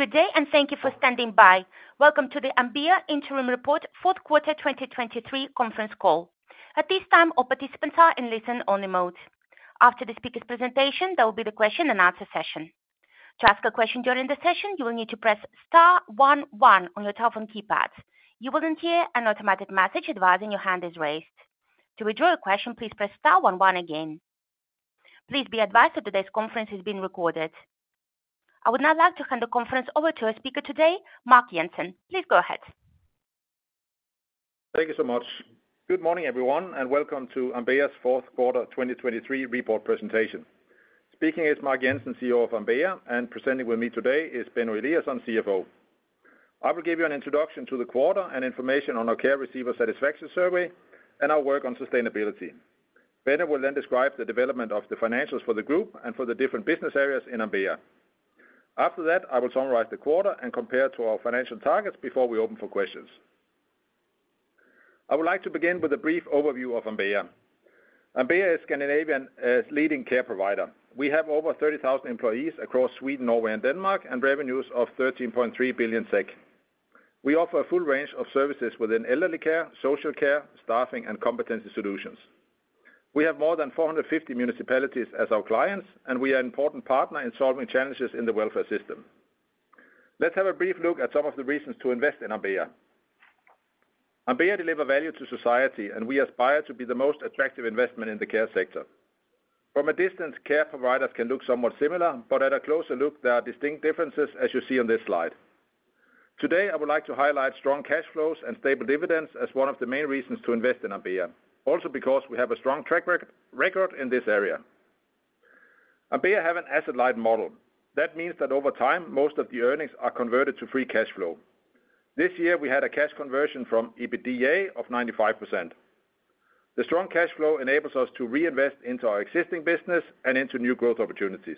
Good day, and thank you for standing by. Welcome to the Ambea Interim Report, fourth quarter 2023 conference call. At this time, all participants are in listen-only mode. After the speaker's presentation, there will be the question and answer session. To ask a question during the session, you will need to press star one one on your telephone keypad. You will then hear an automatic message advising your hand is raised. To withdraw your question, please press star one one again. Please be advised that today's conference is being recorded. I would now like to hand the conference over to our speaker today, Mark Jensen. Please go ahead. Thank you so much. Good morning, everyone, and welcome to Ambea's fourth quarter 2023 report presentation. Speaking is Mark Jensen, CEO of Ambea, and presenting with me today is Benno Eliasson, CFO. I will give you an introduction to the quarter and information on our care receiver satisfaction survey and our work on sustainability. Benno will then describe the development of the financials for the group and for the different business areas in Ambea. After that, I will summarize the quarter and compare to our financial targets before we open for questions. I would like to begin with a brief overview of Ambea. Ambea is Scandinavian leading care provider. We have over 30,000 employees across Sweden, Norway, and Denmark, and revenues of 13.3 billion SEK. We offer a full range of services within elderly care, social care, staffing, and competency solutions. We have more than 450 municipalities as our clients, and we are an important partner in solving challenges in the welfare system. Let's have a brief look at some of the reasons to invest in Ambea. Ambea deliver value to society, and we aspire to be the most attractive investment in the care sector. From a distance, care providers can look somewhat similar, but at a closer look, there are distinct differences, as you see on this slide. Today, I would like to highlight strong cash flows and stable dividends as one of the main reasons to invest in Ambea. Also because we have a strong track record in this area. Ambea have an asset-light model. That means that over time, most of the earnings are converted to free cash flow. This year, we had a cash conversion from EBITDA of 95%. The strong cash flow enables us to reinvest into our existing business and into new growth opportunities.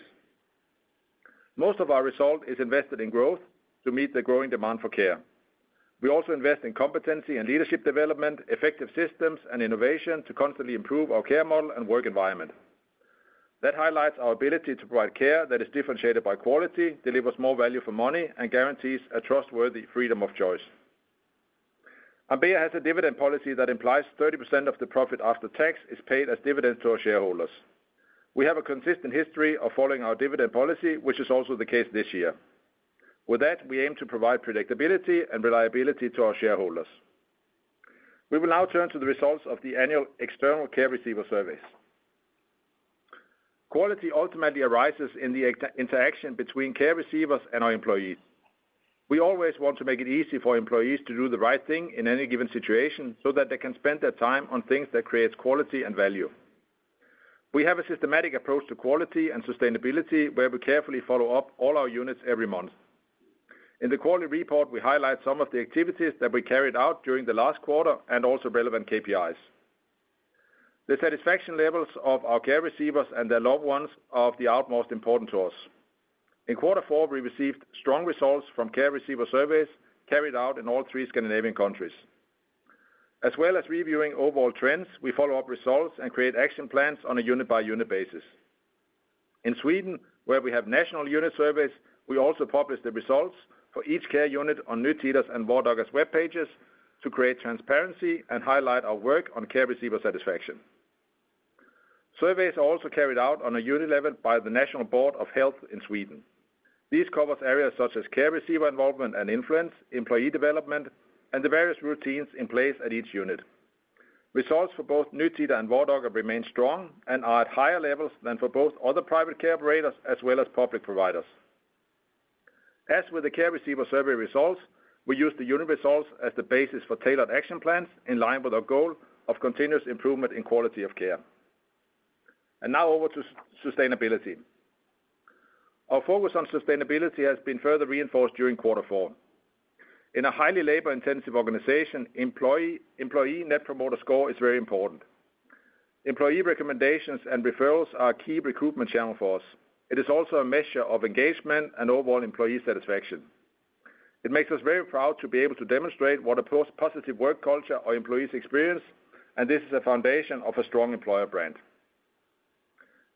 Most of our result is invested in growth to meet the growing demand for care. We also invest in competency and leadership development, effective systems, and innovation to constantly improve our care model and work environment. That highlights our ability to provide care that is differentiated by quality, delivers more value for money, and guarantees a trustworthy freedom of choice. Ambea has a dividend policy that implies 30% of the profit after tax is paid as dividends to our shareholders. We have a consistent history of following our dividend policy, which is also the case this year. With that, we aim to provide predictability and reliability to our shareholders. We will now turn to the results of the annual external care receiver surveys. Quality ultimately arises in the interaction between care receivers and our employees. We always want to make it easy for employees to do the right thing in any given situation, so that they can spend their time on things that creates quality and value. We have a systematic approach to quality and sustainability, where we carefully follow up all our units every month. In the quality report, we highlight some of the activities that we carried out during the last quarter and also relevant KPIs. The satisfaction levels of our care receivers and their loved ones are of the utmost importance to us. In quarter four, we received strong results from care receiver surveys carried out in all three Scandinavian countries. As well as reviewing overall trends, we follow up results and create action plans on a unit-by-unit basis. In Sweden, where we have national unit surveys, we also publish the results for each care unit on Nytida's and Vardaga's web pages to create transparency and highlight our work on care receiver satisfaction. Surveys are also carried out on a unit level by the National Board of Health in Sweden. These cover areas such as care receiver involvement and influence, employee development, and the various routines in place at each unit. Results for both Nytida and Vardaga remain strong and are at higher levels than for both other private care operators as well as public providers. As with the care receiver survey results, we use the unit results as the basis for tailored action plans in line with our goal of continuous improvement in quality of care. And now over to sustainability. Our focus on sustainability has been further reinforced during quarter four. In a highly labor-intensive organization, Employee Net Promoter Score is very important. Employee recommendations and referrals are a key recruitment channel for us. It is also a measure of engagement and overall employee satisfaction. It makes us very proud to be able to demonstrate what a positive work culture our employees experience, and this is a foundation of a strong employer brand.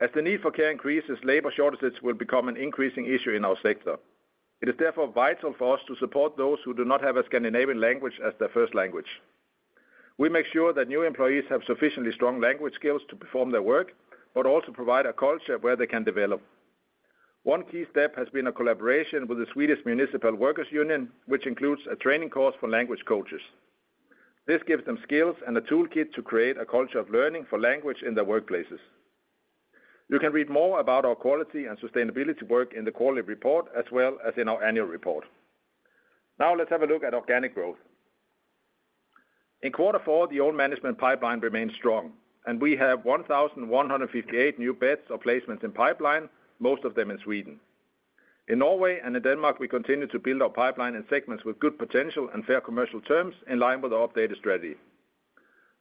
As the need for care increases, labor shortages will become an increasing issue in our sector. It is therefore vital for us to support those who do not have a Scandinavian language as their first language. We make sure that new employees have sufficiently strong language skills to perform their work, but also provide a culture where they can develop. One key step has been a collaboration with the Swedish Municipal Workers Union, which includes a training course for language coaches. This gives them skills and a toolkit to create a culture of learning for language in their workplaces. You can read more about our quality and sustainability work in the quality report, as well as in our annual report. Now, let's have a look at organic growth. In quarter four, the own management pipeline remains strong, and we have 1,158 new beds or placements in pipeline, most of them in Sweden. In Norway and in Denmark, we continue to build our pipeline in segments with good potential and fair commercial terms in line with our updated strategy.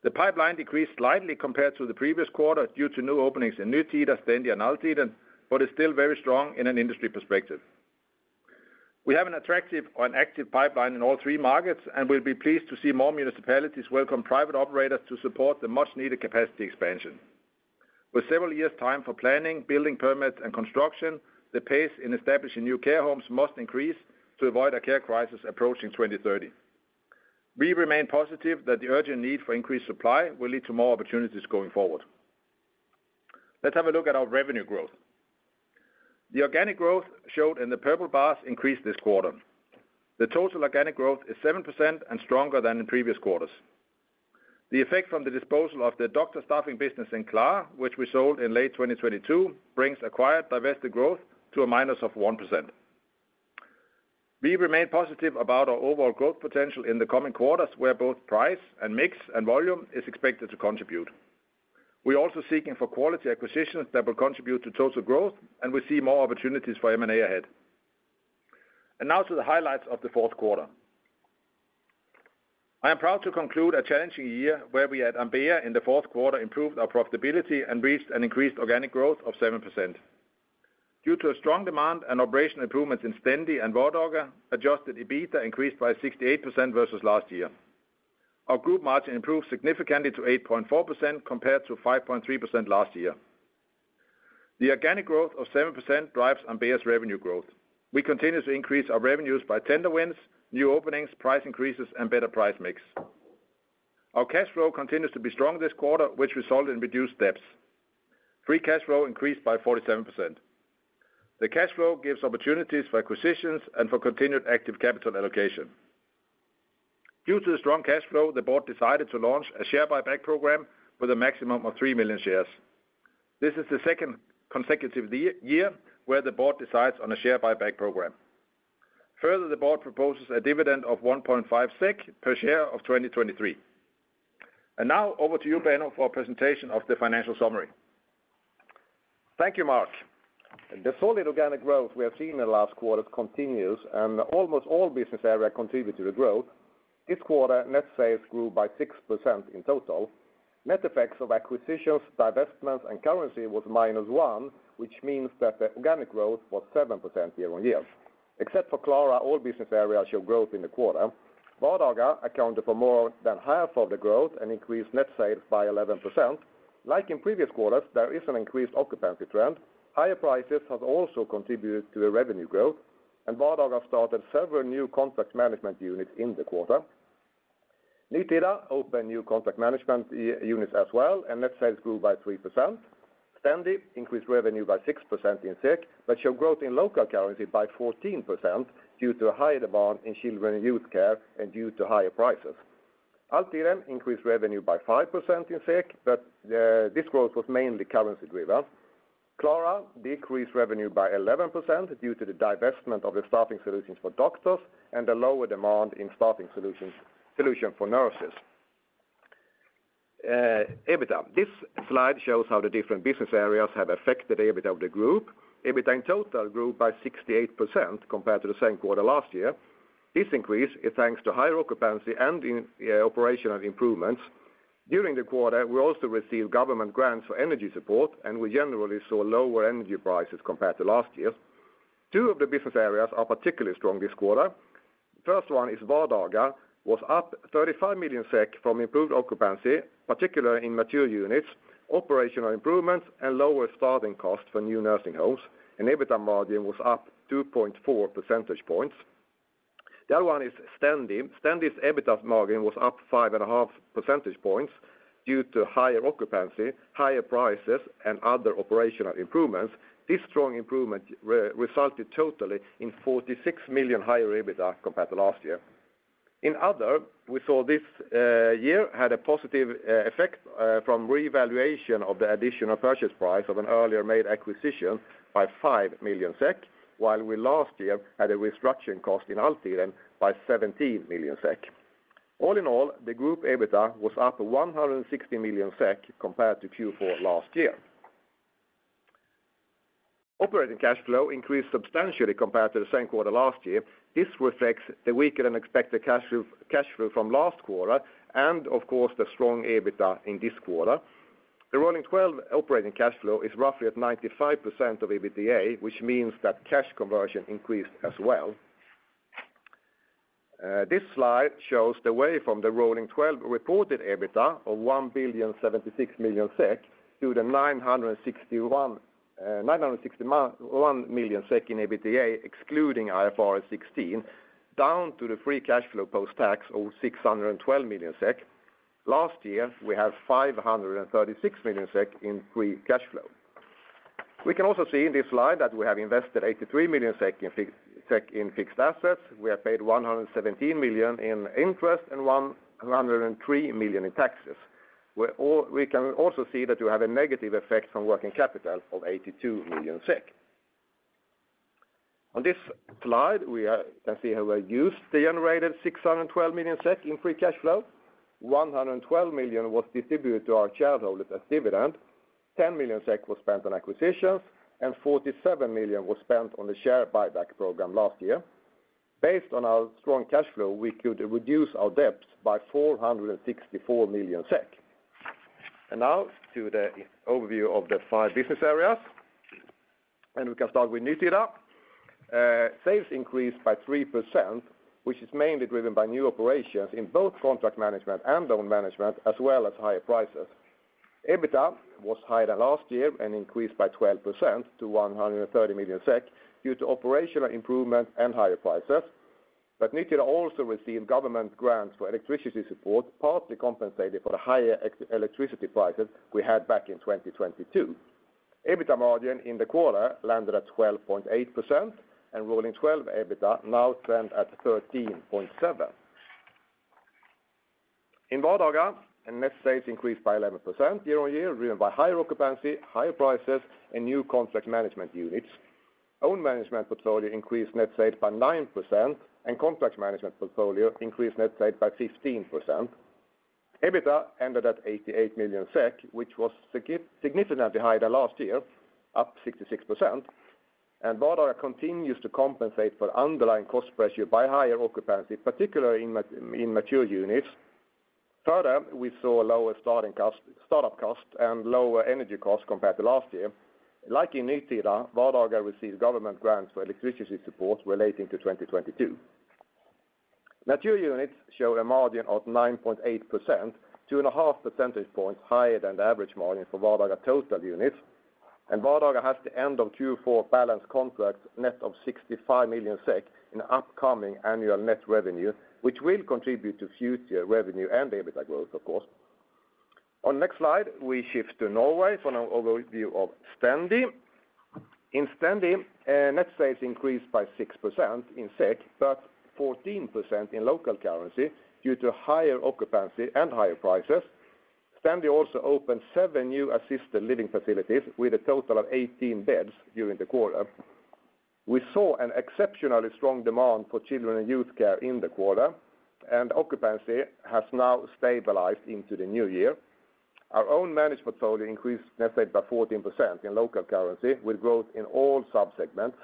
The pipeline decreased slightly compared to the previous quarter due to new openings in Nytida, Stendi and Altiden, but is still very strong in an industry perspective. We have an attractive or an active pipeline in all three markets, and we'll be pleased to see more municipalities welcome private operators to support the much-needed capacity expansion. With several years' time for planning, building permits, and construction, the pace in establishing new care homes must increase to avoid a care crisis approaching 2030. We remain positive that the urgent need for increased supply will lead to more opportunities going forward. Let's have a look at our revenue growth. The organic growth showed in the purple bars increased this quarter. The total organic growth is 7% and stronger than in previous quarters. The effect from the disposal of the doctor staffing business in Klara, which we sold in late 2022, brings acquired divested growth to a minus of 1%. We remain positive about our overall growth potential in the coming quarters, where both price and mix and volume is expected to contribute. We're also seeking for quality acquisitions that will contribute to total growth, and we see more opportunities for M&A ahead. Now to the highlights of the fourth quarter. I am proud to conclude a challenging year where we at Ambea, in the fourth quarter, improved our profitability and reached an increased organic growth of 7%. Due to a strong demand and operational improvements in Stendi and Vardaga, adjuste EBITDA increased by 68% versus last year. Our group margin improved significantly to 8.4%, compared to 5.3% last year. The organic growth of 7% drives Ambea's revenue growth. We continue to increase our revenues by tender wins, new openings, price increases, and better price mix. Our cash flow continues to be strong this quarter, which resulted in reduced debts. Free cash flow increased by 47%. The cash flow gives opportunities for acquisitions and for continued active capital allocation. Due to the strong cash flow, the board decided to launch a share buyback program with a maximum of 3 million shares. This is the second consecutive year, year where the board decides on a share buyback program. Further, the board proposes a dividend of 1.5 SEK per share of 2023. And now, over to you, Benno, for a presentation of the financial summary. Thank you, Mark. The solid organic growth we have seen in the last quarter continues, and almost all business areas contribute to the growth. This quarter, net sales grew by 6% in total. Net effects of acquisitions, divestments, and currency was -1, which means that the organic growth was 7% year-on-year. Except for Klara, all business areas show growth in the quarter. Vardaga accounted for more than half of the growth and increased net sales by 11%. Like in previous quarters, there is an increased occupancy trend. Higher prices have also contributed to the revenue growth, and Vardaga started several new contract management units in the quarter. Nytida opened new contract management units as well, and net sales grew by 3%. Stendi increased revenue by 6% in SEK, but showed growth in local currency by 14% due to a higher demand in children and youth care and due to higher prices. Altiden increased revenue by 5% in SEK, but this growth was mainly currency driven. Klara decreased revenue by 11% due to the divestment of the staffing solutions for doctors and the lower demand in staffing solutions, solution for nurses EBITDA. This slide shows how the different business areas have affected the EBITDA of the group. EBITDA in total grew by 68% compared to the same quarter last year. This increase is thanks to higher occupancy and operational improvements. During the quarter, we also received government grants for energy support, and we generally saw lower energy prices compared to last year. Two of the business areas are particularly strong this quarter. First one is Vardaga, was up 35 million SEK from improved occupancy, particularly in mature units, operational improvements, and lower staffing costs for new nursing homes, and EBITDA margin was up 2.4 percentage points. The other one is Stendi. Stendi's EBITDA margin was up 5.5 percentage points due to higher occupancy, higher prices, and other operational improvements. This strong improvement resulted totally in 46 million higher EBITDA compared to last year. In other, we saw this year had a positive effect from revaluation of the additional purchase price of an earlier made acquisition by 5 million SEK, while we last year had a restructuring cost in Altiden by 17 million SEK. All in all, the group EBITDA was up 160 million SEK compared to Q4 last year. Operating cash flow increased substantially compared to the same quarter last year. This reflects the weaker than expected cash flow, cash flow from last quarter, and of course, the strong EBITDA in this quarter. The rolling twelve operating cash flow is roughly at 95% of EBITDA, which means that cash conversion increased as well. This slide shows the way from the rolling twelve reported EBITDA of 1,076 million SEK to the 961 million SEK in EBITDA, excluding IFRS 16, down to the free cash flow post-tax of 612 million SEK. Last year, we had 536 million SEK in free cash flow. We can also see in this slide that we have invested 83 million SEK in fixed assets. We have paid 117 million in interest and 103 million in taxes. We can also see that you have a negative effect from working capital of 82 million SEK. On this slide, we can see how we used the generated 612 million SEK in free cash flow. 112 million was distributed to our shareholders as dividend, 10 million SEK was spent on acquisitions, and 47 million was spent on the share buyback program last year. Based on our strong cash flow, we could reduce our debts by 464 million SEK. Now, to the overview of the five business areas... We can start with Nytida. Sales increased by 3%, which is mainly driven by new operations in both contract management and own management, as well as higher prices. EBITDA was higher than last year and increased by 12% to 130 million SEK, due to operational improvement and higher prices. But Nytida also received government grants for electricity support, partly compensated for the higher electricity prices we had back in 2022. EBITDA margin in the quarter landed at 12.8%, and rolling twelve EBITDA now trend at 13.7. In Vardaga, net sales increased by 11% year-on-year, driven by higher occupancy, higher prices, and new contract management units. Own management portfolio increased net sales by 9%, and contract management portfolio increased net sales by 15%. EBITDA ended at 88 million SEK, which was significantly higher than last year, up 66%. Vardaga continues to compensate for underlying cost pressure by higher occupancy, particularly in mature units. Further, we saw lower starting cost, startup cost, and lower energy costs compared to last year. Like in Nytida, Vardaga received government grants for electricity support relating to 2022. Mature units show a margin of 9.8%, two and a half percentage points higher than the average margin for Vardaga total units. And Vardaga has the end of Q4 balanced contracts, net of 65 million SEK in upcoming annual net revenue, which will contribute to future revenue and EBITDA growth, of course. On next slide, we shift to Norway for an overview of Stendi. In Stendi, net sales increased by 6% in SEK, but 14% in local currency, due to higher occupancy and higher prices. Stendi also opened seven new assisted living facilities with a total of 18 beds during the quarter. We saw an exceptionally strong demand for children and youth care in the quarter, and occupancy has now stabilized into the new year. Our own managed portfolio increased net sales by 14% in local currency, with growth in all sub-segments.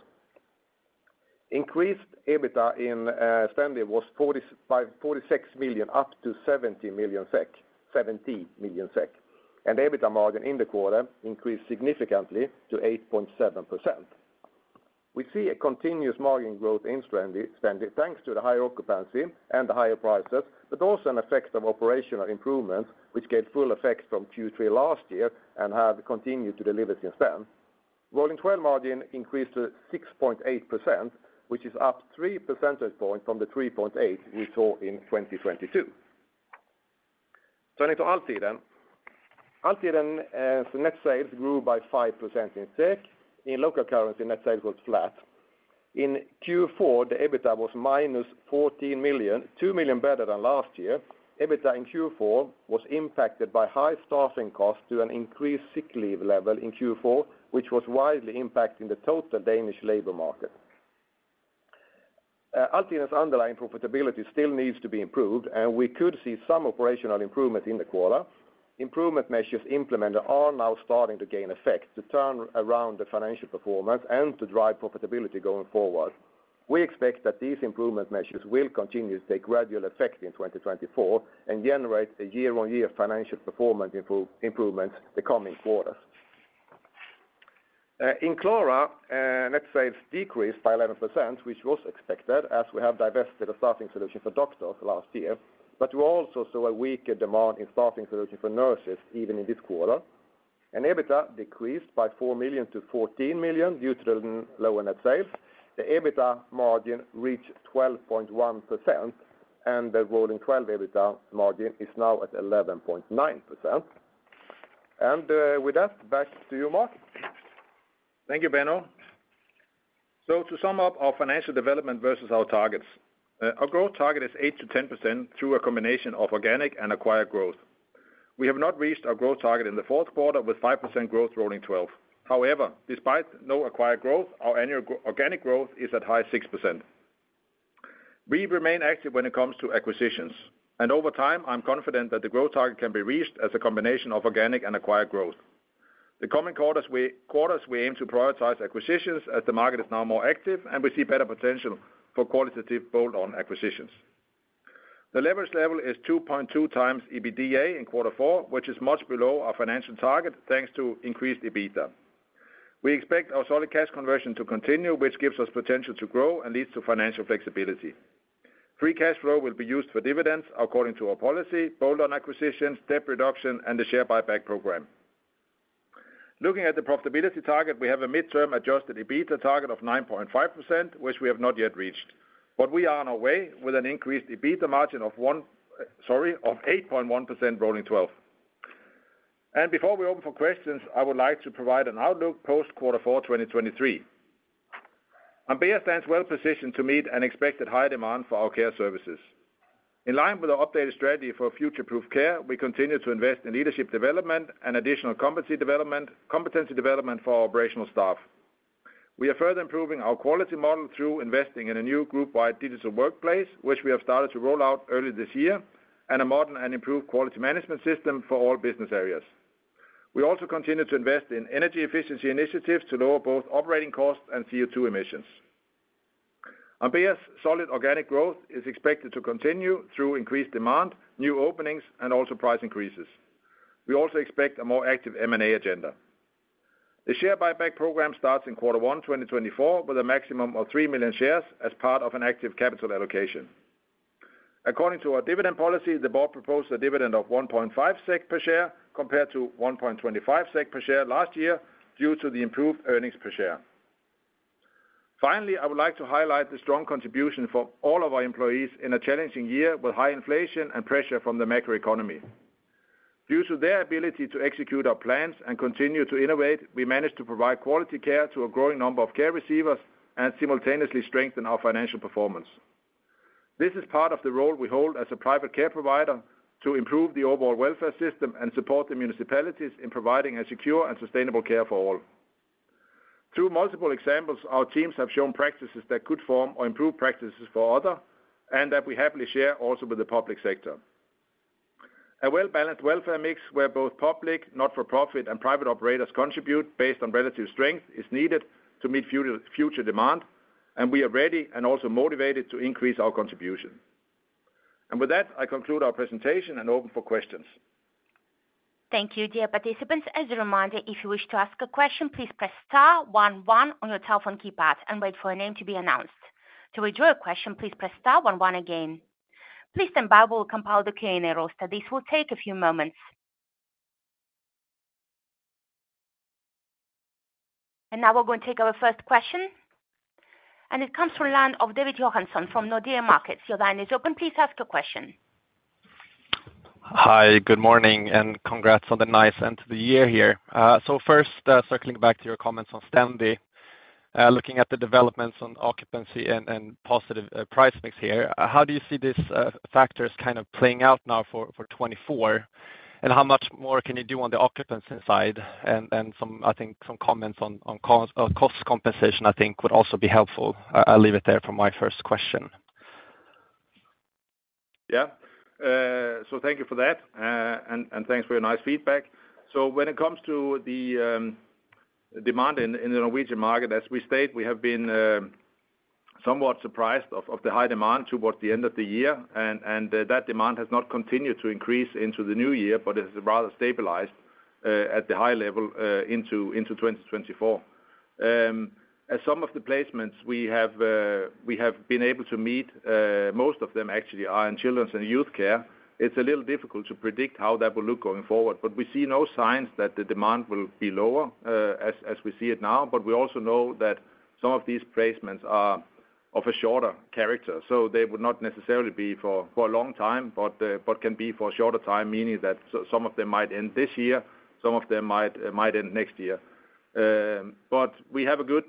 Increased EBITDA in Stendi was 46 million, up to 70 million SEK. EBITDA margin in the quarter increased significantly to 8.7%. We see a continuous margin growth in Stendi, thanks to the higher occupancy and the higher prices, but also an effect of operational improvements, which gave full effect from Q3 last year and have continued to deliver since then. Rolling 12 margin increased to 6.8%, which is up three percentage points from the 3.8 we saw in 2022. Turning to Altiden. Altiden net sales grew by 5% in SEK. In local currency, net sales was flat. In Q4, the EBITDA was -14 million, 2 million better than last year. EBITDA in Q4 was impacted by high staffing costs due to an increased sick leave level in Q4, which was widely impacting the total Danish labor market. Altiden's underlying profitability still needs to be improved, and we could see some operational improvement in the quarter. Improvement measures implemented are now starting to gain effect to turn around the financial performance and to drive profitability going forward. We expect that these improvement measures will continue to take gradual effect in 2024 and generate a year-on-year financial performance improvement the coming quarters. In Klara, net sales decreased by 11%, which was expected as we have divested a staffing solution for doctors last year, but we also saw a weaker demand in staffing solution for nurses even in this quarter. And EBITDA decreased by 4 million to 14 million due to the lower net sales. The EBITDA margin reached 12.1%, and the rolling twelve EBITDA margin is now at 11.9%. And, with that, back to you, Mark. Thank you, Benno. So to sum up our financial development versus our targets, our growth target is 8%-10% through a combination of organic and acquired growth. We have not reached our growth target in the fourth quarter with 5% growth rolling twelve. However, despite no acquired growth, our annual organic growth is at high 6%. We remain active when it comes to acquisitions, and over time, I'm confident that the growth target can be reached as a combination of organic and acquired growth. The coming quarters, we aim to prioritize acquisitions as the market is now more active, and we see better potential for qualitative bolt-on acquisitions. The leverage level is 2.2x EBITDA in quarter four, which is much below our financial target, thanks to increased EBITDA. We expect our solid cash conversion to continue, which gives us potential to grow and leads to financial flexibility. Free cash flow will be used for dividends according to our policy, bolt-on acquisitions, debt reduction, and the share buyback program. Looking at the profitability target, we have a mid-term adjusted EBITDA target of 9.5%, which we have not yet reached. But we are on our way with an increased EBITDA margin of one, sorry, of 8.1% rolling 12. And before we open for questions, I would like to provide an outlook post quarter four, 2023. Ambea stands well positioned to meet an expected high demand for our care services. In line with our updated strategy for future-proof care, we continue to invest in leadership development and additional competency development, competency development for our operational staff. We are further improving our quality model through investing in a new group-wide digital workplace, which we have started to roll out early this year, and a modern and improved quality management system for all business areas. We also continue to invest in energy efficiency initiatives to lower both operating costs and CO2 emissions. Ambea's solid organic growth is expected to continue through increased demand, new openings, and also price increases. We also expect a more active M&A agenda. The share buyback program starts in quarter one, 2024, with a maximum of 3 million shares as part of an active capital allocation. According to our dividend policy, the board proposed a dividend of 1.5 SEK per share, compared to 1.25 SEK per share last year, due to the improved earnings per share. Finally, I would like to highlight the strong contribution from all of our employees in a challenging year with high inflation and pressure from the macroeconomy. Due to their ability to execute our plans and continue to innovate, we managed to provide quality care to a growing number of care receivers and simultaneously strengthen our financial performance. This is part of the role we hold as a private care provider to improve the overall welfare system and support the municipalities in providing a secure and sustainable care for all. Through multiple examples, our teams have shown practices that could form or improve practices for other, and that we happily share also with the public sector. A well-balanced welfare mix, where both public, not-for-profit, and private operators contribute based on relative strength, is needed to meet future demand, and we are ready and also motivated to increase our contribution. With that, I conclude our presentation and open for questions. Thank you, dear participants. As a reminder, if you wish to ask a question, please press star one one on your telephone keypad and wait for a name to be announced. To withdraw a question, please press star one one again. Please stand by, we'll compile the Q&A roster. This will take a few moments. Now we're going to take our first question, and it comes from the line of David Johansson from Nordea Markets. Your line is open, please ask your question. Hi, good morning, and congrats on the nice end to the year here. So first, circling back to your comments on Stendi, looking at the developments on occupancy and positive price mix here, how do you see these factors kind of playing out now for 2024? And how much more can you do on the occupancy side, and some, I think some comments on cost compensation, I think, would also be helpful. I'll leave it there for my first question. Yeah. So thank you for that, and thanks for your nice feedback. So when it comes to the demand in the Norwegian market, as we stated, we have been somewhat surprised of the high demand towards the end of the year. And that demand has not continued to increase into the new year, but it's rather stabilized at the high level into 2024. As some of the placements we have, we have been able to meet, most of them actually are in children's and youth care. It's a little difficult to predict how that will look going forward. But we see no signs that the demand will be lower, as we see it now. But we also know that some of these placements are of a shorter character, so they would not necessarily be for a long time, but can be for a shorter time, meaning that some of them might end this year, some of them might end next year. But we have a good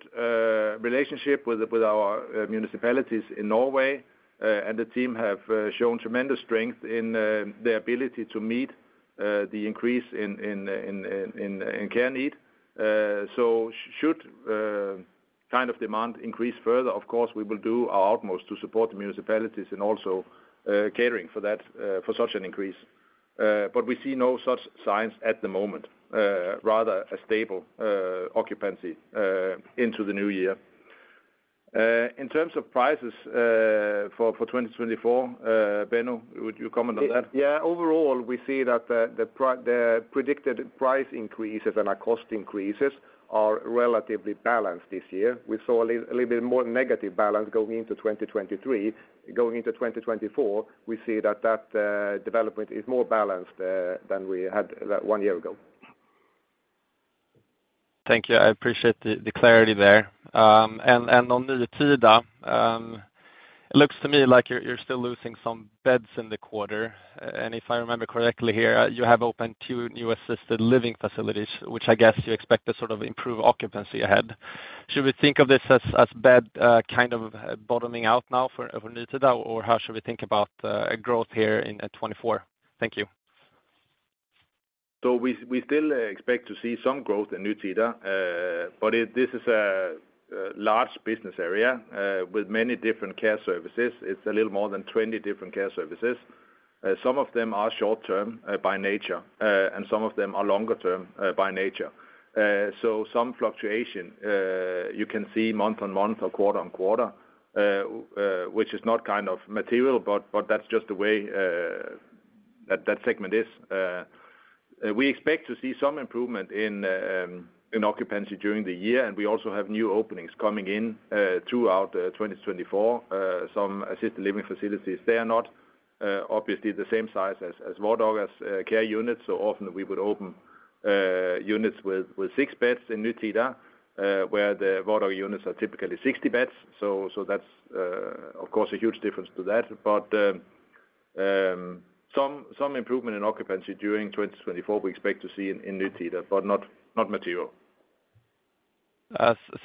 relationship with our municipalities in Norway, and the team have shown tremendous strength in their ability to meet the increase in care need. So should kind of demand increase further, of course, we will do our utmost to support the municipalities and also catering for that, for such an increase. But we see no such signs at the moment, rather a stable occupancy into the new year. In terms of prices, for 2024, Benno, would you comment on that? Yeah, overall, we see that the predicted price increases and our cost increases are relatively balanced this year. We saw a little bit more negative balance going into 2023. Going into 2024, we see that that development is more balanced than we had one year ago. Thank you. I appreciate the clarity there. And on Nytida, it looks to me like you're still losing some beds in the quarter. And if I remember correctly here, you have opened two new assisted living facilities, which I guess you expect to sort of improve occupancy ahead. Should we think of this as bed kind of bottoming out now for Nytida, or how should we think about growth here in 2024? Thank you. So we still expect to see some growth in Nytida, but it is a large business area with many different care services. It's a little more than 20 different care services. Some of them are short term by nature, and some of them are longer term by nature. So some fluctuation you can see month-on-month or quarter-on-quarter, which is not kind of material, but that's just the way that segment is. We expect to see some improvement in occupancy during the year, and we also have new openings coming in throughout 2024. Some assisted living facilities, they are not obviously the same size as Vardaga's care units, so often we would open units with six beds in Nytida, where the Vardaga units are typically 60 beds. So that's of course a huge difference to that. But some improvement in occupancy during 2024, we expect to see in Nytida, but not material.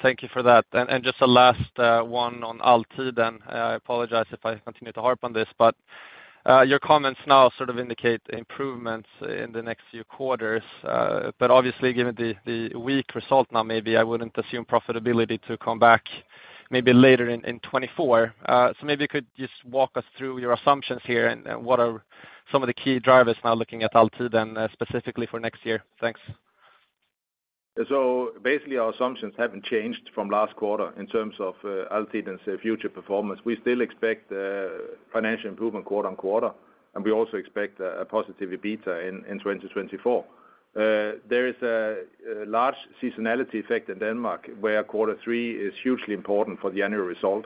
Thank you for that. And just a last one on Altiden. I apologize if I continue to harp on this, but your comments now sort of indicate improvements in the next few quarters. But obviously, given the weak result now, maybe I wouldn't assume profitability to come back maybe later in 2024. So maybe you could just walk us through your assumptions here, and what are some of the key drivers now looking at Altiden, specifically for next year? Thanks.... So basically, our assumptions haven't changed from last quarter in terms of Altiden's future performance. We still expect financial improvement quarter-over-quarter, and we also expect a positive EBITDA in 2024. There is a large seasonality effect in Denmark, where quarter three is hugely important for the annual result.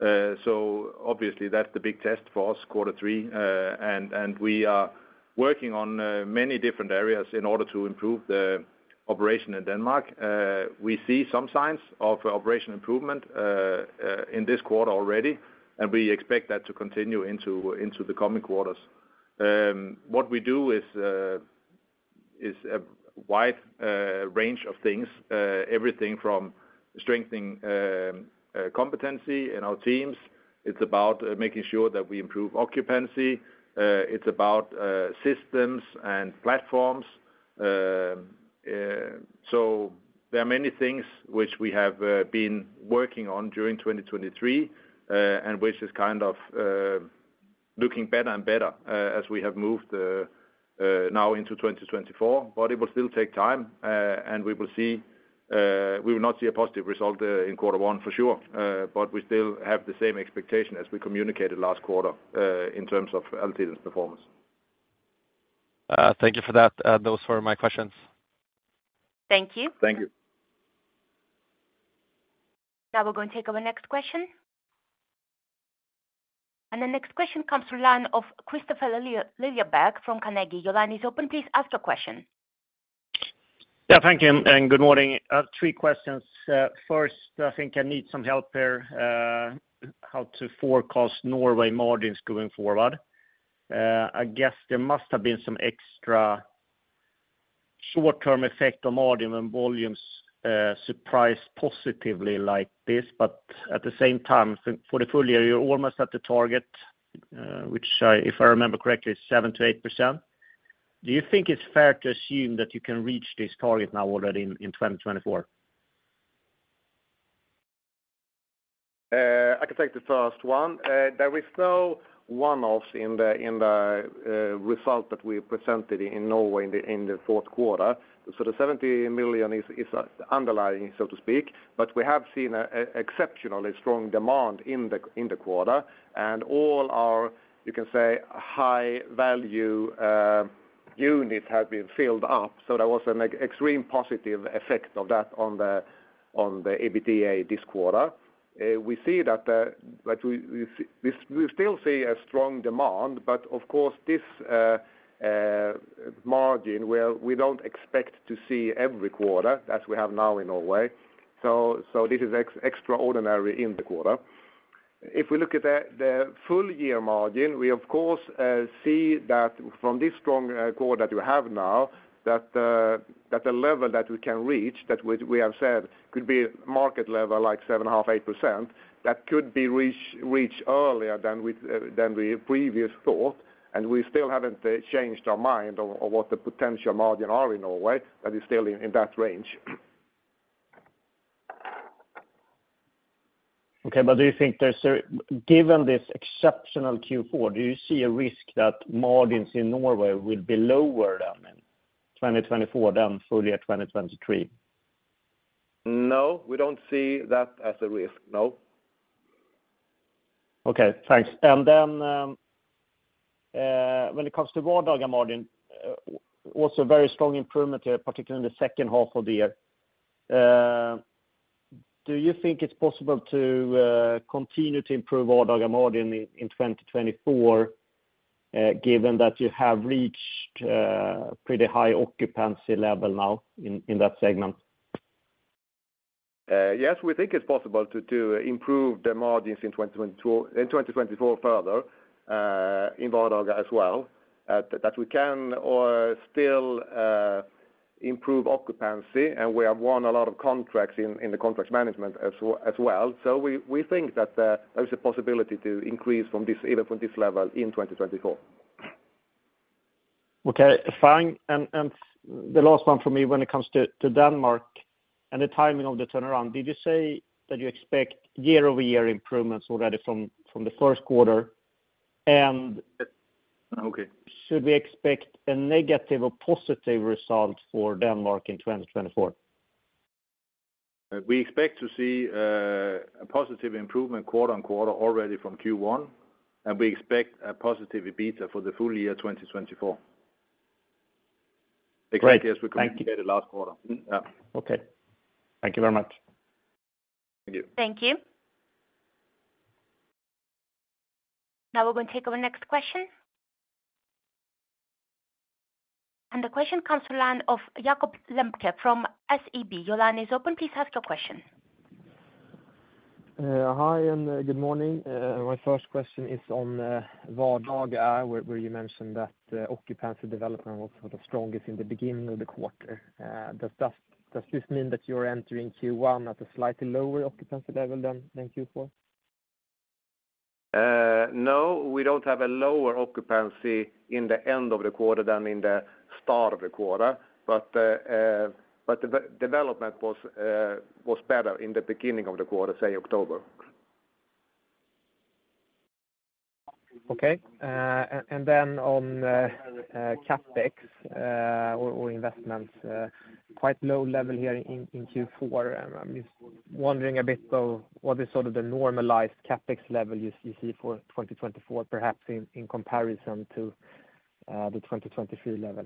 So obviously, that's the big test for us, quarter three. And we are working on many different areas in order to improve the operation in Denmark. We see some signs of operation improvement in this quarter already, and we expect that to continue into the coming quarters. What we do is a wide range of things, everything from strengthening competency in our teams. It's about making sure that we improve occupancy. It's about systems and platforms. So there are many things which we have been working on during 2023, and which is kind of looking better and better, as we have moved now into 2024. But it will still take time, and we will see... We will not see a positive result in quarter one for sure, but we still have the same expectation as we communicated last quarter, in terms of Altiden's performance. Thank you for that. Those were my questions. Thank you. Thank you. Now we're gonna take our next question. The next question comes from the line of Kristofer Liljeberg from Carnegie. Your line is open. Please ask your question. Yeah, thank you, and good morning. I have three questions. First, I think I need some help here, how to forecast Norway margins going forward. I guess there must have been some extra short-term effect on margin and volumes, surprise positively like this, but at the same time, for the full-year, you're almost at the target, which if I remember correctly, is 7%-8%. Do you think it's fair to assume that you can reach this target now already in 2024? I can take the first one. There is no one-offs in the result that we presented in Norway in the fourth quarter. So the 70 million is underlying, so to speak. But we have seen a exceptionally strong demand in the quarter, and all our, you can say, high-value units have been filled up, so there was an extreme positive effect of that on the EBITDA this quarter. We see that we still see a strong demand, but of course, this margin, well, we don't expect to see every quarter as we have now in Norway, so this is extraordinary in the quarter. If we look at the full-year margin, we of course see that from this strong quarter that we have now, that the level that we can reach, that we have said could be market level, like 7.5%-8%, that could be reached earlier than we previously thought, and we still haven't changed our mind on what the potential margin are in Norway. That is still in that range. Okay, but do you think there's a... Given this exceptional Q4, do you see a risk that margins in Norway will be lower than in 2024 than full-year 2023? No, we don't see that as a risk, no. Okay, thanks. And then, when it comes to Vardaga margin, also very strong improvement here, particularly in the second half of the year. Do you think it's possible to continue to improve Vardaga margin in 2024, given that you have reached pretty high occupancy level now in that segment? Yes, we think it's possible to improve the margins in 2024 further, in Vardaga as well, that we can still improve occupancy, and we have won a lot of contracts in contract management as well. So we think that there is a possibility to increase from this, even from this level in 2024. Okay, fine. And the last one for me, when it comes to Denmark and the timing of the turnaround, did you say that you expect year-over-year improvements already from the first quarter? And- Okay. Should we expect a negative or positive result for Denmark in 2024? We expect to see a positive improvementquarter-on-quarter already from Q1, and we expect a positive EBITDA for the full-year 2024. Great. Exactly as we communicated last quarter. Mm-hmm. Yeah. Okay. Thank you very much. Thank you. Thank you. Now we're going to take our next question. The question comes to the line of Jacob Lemke from SEB. Your line is open. Please ask your question. Hi, and good morning. My first question is on Vardaga, where you mentioned that occupancy development was sort of strongest in the beginning of the quarter. Does that mean that you're entering Q1 at a slightly lower occupancy level than Q4? No, we don't have a lower occupancy in the end of the quarter than in the start of the quarter, but the development was better in the beginning of the quarter, say October.... Okay, and then on CapEx, or investments, quite low level here in Q4. I'm just wondering a bit of what is sort of the normalized CapEx level you see for 2024, perhaps in comparison to the 2023 level?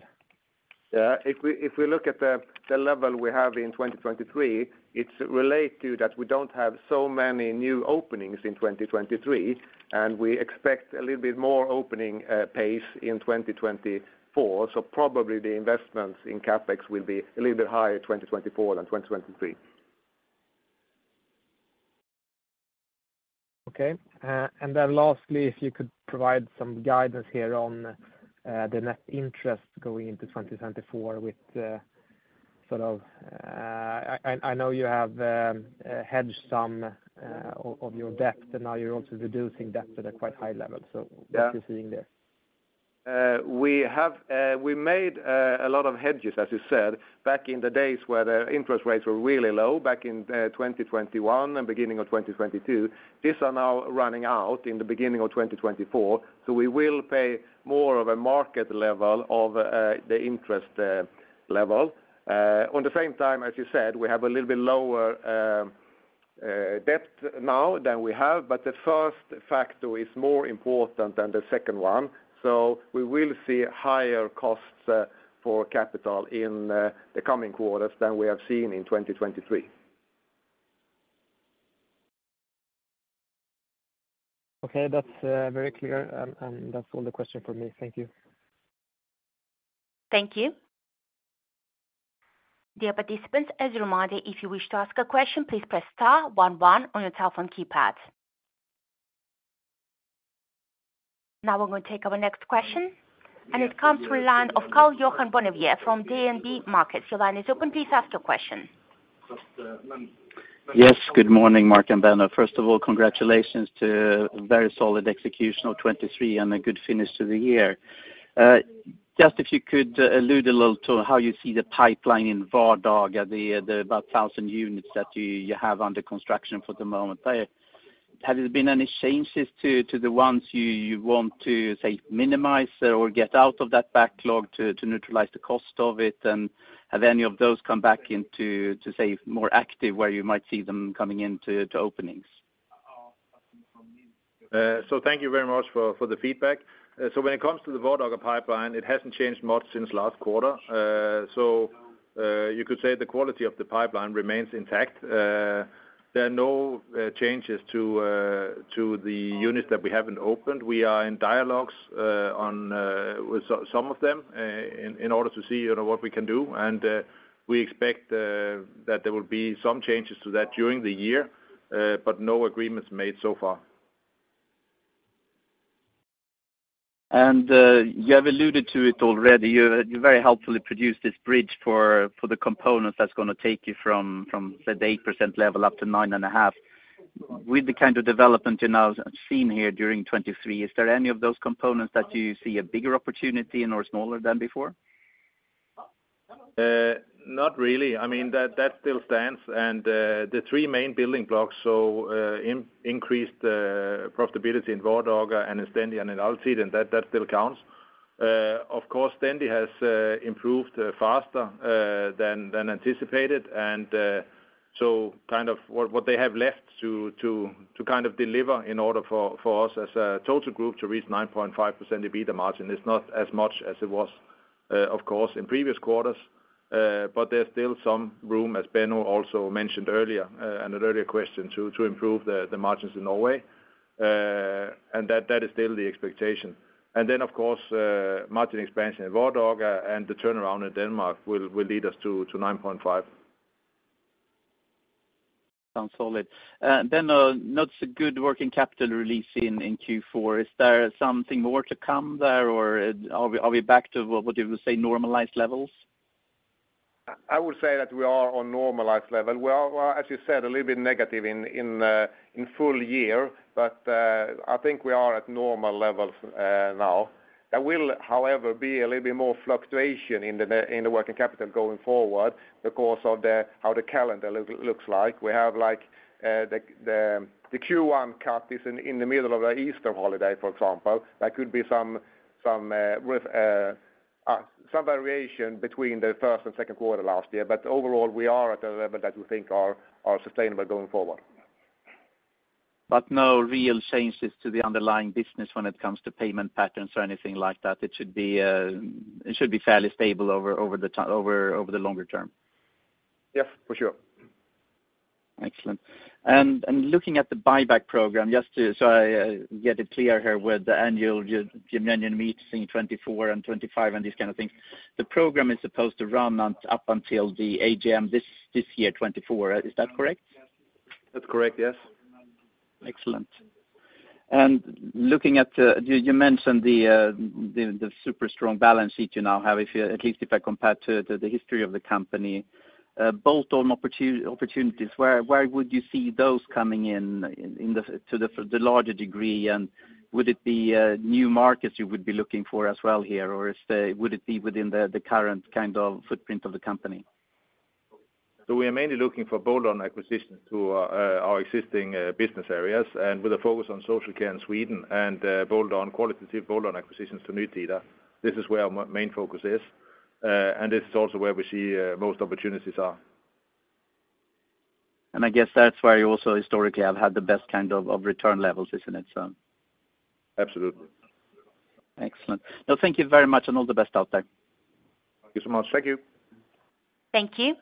Yeah, if we look at the level we have in 2023, it's related to that we don't have so many new openings in 2023, and we expect a little bit more opening pace in 2024. So probably the investments in CapEx will be a little bit higher in 2024 than 2023. Okay. And then lastly, if you could provide some guidance here on the net interest going into 2024 with sort of I know you have hedged some of your debt, and now you're also reducing debt at a quite high level. So- Yeah What you're seeing there? We have, we made a lot of hedges, as you said, back in the days where the interest rates were really low, back in 2021 and beginning of 2022. These are now running out in the beginning of 2024, so we will pay more of a market level of the interest level. On the same time, as you said, we have a little bit lower debt now than we have, but the first factor is more important than the second one. So we will see higher costs for capital in the coming quarters than we have seen in 2023. Okay. That's very clear. And that's all the question for me. Thank you. Thank you. Dear participants, as a reminder, if you wish to ask a question, please press star one one on your telephone keypad. Now we're going to take our next question, and it comes from the line of Karl-Johan Bonnevier from DNB Markets. Your line is open. Please ask your question. Yes, good morning, Mark and Benno. First of all, congratulations to a very solid execution of 2023 and a good finish to the year. Just if you could allude a little to how you see the pipeline in Vardaga, the about 1,000 units that you have under construction for the moment. Have there been any changes to the ones you want to say minimize or get out of that backlog to neutralize the cost of it? And have any of those come back into say more active, where you might see them coming into openings? Thank you very much for the feedback. So when it comes to the Vardaga pipeline, it hasn't changed much since last quarter. You could say the quality of the pipeline remains intact. There are no changes to the units that we haven't opened. We are in dialogues with some of them in order to see, you know, what we can do. We expect that there will be some changes to that during the year, but no agreements made so far. You have alluded to it already. You very helpfully produced this bridge for the components that's gonna take you from, say, the 8% level up to 9.5. With the kind of development you've now seen here during 2023, is there any of those components that you see a bigger opportunity in or smaller than before? Not really. I mean, that still stands. And the three main building blocks, so increased profitability in Vardaga and in Stendi and in Altiden, and that still counts. Of course, Stendi has improved faster than anticipated. And so kind of what they have left to kind of deliver in order for us as a total group to reach 9.5% EBITDA margin is not as much as it was, of course, in previous quarters. But there's still some room, as Benno also mentioned earlier, in an earlier question, to improve the margins in Norway. And that is still the expectation. And then, of course, margin expansion in Vardaga and the turnaround in Denmark will lead us to 9.5%. Sounds solid. Then, not so good working capital release in Q4. Is there something more to come there, or are we back to what you would say, normalized levels? I would say that we are on normalized level. Well, well, as you said, a little bit negative in full-year, but I think we are at normal levels now. There will, however, be a little bit more fluctuation in the working capital going forward because of how the calendar looks like. We have, like, the Q1 cut is in the middle of the Easter holiday, for example. There could be some variation between the first and second quarter last year, but overall, we are at a level that we think are sustainable going forward. But no real changes to the underlying business when it comes to payment patterns or anything like that? It should be fairly stable over time, over the longer term. Yeah, for sure. Excellent. And looking at the buyback program, just to... So I get it clear here with the annual general meeting 2024 and 2025 and these kind of things, the program is supposed to run on up until the AGM this year, 2024. Is that correct? That's correct, yes. Excellent. And looking at... You mentioned the super strong balance sheet you now have, if you—at least if I compare to the history of the company. Bolt-on opportunities, where would you see those coming in to the larger degree? And would it be new markets you would be looking for as well here, or would it be within the current kind of footprint of the company? So we are mainly looking for bolt-on acquisitions to our existing business areas, and with a focus on social care in Sweden and bolt-on, qualitative bolt-on acquisitions to Nytida. This is where our main focus is, and this is also where we see most opportunities are. I guess that's where you also historically have had the best kind of return levels, isn't it, so? Absolutely. Excellent. No, thank you very much, and all the best out there. Thank you so much. Thank you. Thank you.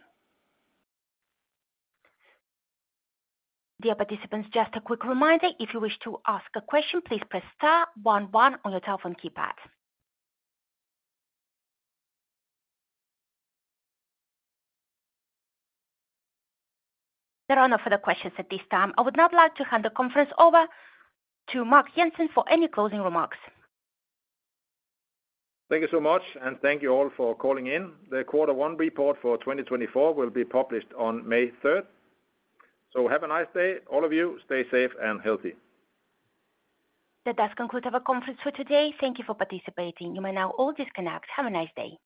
Dear participants, just a quick reminder, if you wish to ask a question, please press star one one on your telephone keypad. There are no further questions at this time. I would now like to hand the conference over to Mark Jensen for any closing remarks. Thank you so much, and thank you all for calling in. The Quarter One report for 2024 will be published on May 3. Have a nice day, all of you. Stay safe and healthy. That does conclude our conference for today. Thank you for participating. You may now all disconnect. Have a nice day.